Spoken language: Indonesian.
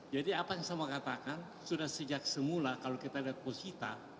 jadi apa yang saya mau katakan sudah sejak semula kalau kita lihat posisi kita